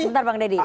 sebentar bang deddy